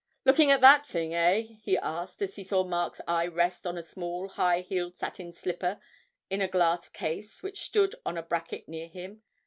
Looking at that thing, eh?' he asked, as he saw Mark's eye rest on a small high heeled satin slipper in a glass case which stood on a bracket near him.